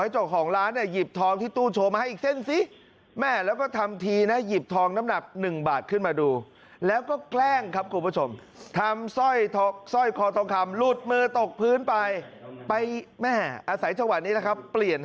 ทองเปลี่ยนนะครับ